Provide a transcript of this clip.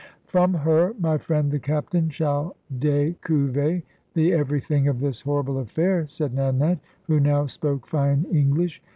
"From her my friend the Captain shall decouver the everything of this horrible affair," said Nanette, who now spoke fine English.